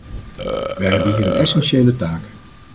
Wij hebben hier een essentiële taak.